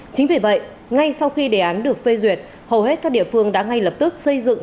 chính vì vậy ngay sau khi đề án được phê duyệt hầu hết các địa phương đã ngay lập tức xây dựng